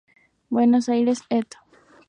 Buenos Aires, Ed.